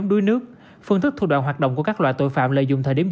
một số lượng lực lượng của lực lượng bảo vệ dân phố